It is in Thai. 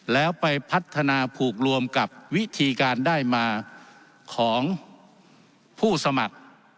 แล้วไปพัฒนาผูกรวมกับวิธีการได้มาของผู้สมัคร